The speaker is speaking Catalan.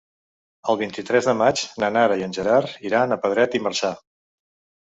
El vint-i-tres de maig na Nara i en Gerard iran a Pedret i Marzà.